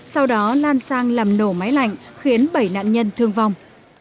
sau đó lan sang làm nổ máy lạnh khiến bảy nạn nhân thương vong